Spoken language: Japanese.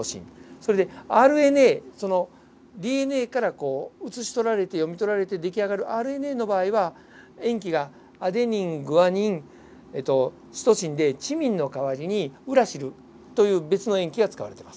それでＲＮＡＤＮＡから写し取られて読み取られて出来上がるＲＮＡの場合は塩基がアデニングアニンシトシンでチミンの代わりにウラシルという別の塩基が使われてます。